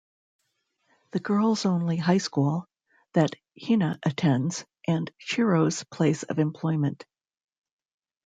The girls-only high school that Hina attends and Shiro's place of employment.